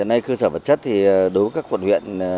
hiện nay cơ sở vật chất thì đối với các quận huyện